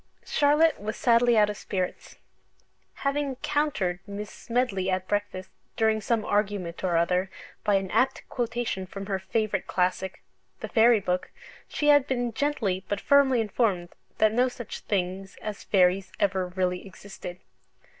Charlotte was sadly out of spirits. Having "countered" Miss Smedley at breakfast, during some argument or other, by an apt quotation from her favourite classic (the Fairy Book) she had been gently but firmly informed that no such things as fairies ever really existed.